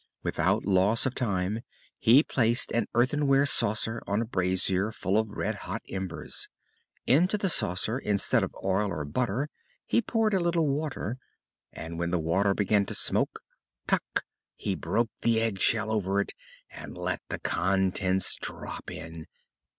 Without loss of time he placed an earthenware saucer on a brazier full of red hot embers. Into the saucer instead of oil or butter he poured a little water; and when the water began to smoke, tac! he broke the egg shell over it and let the contents drop in.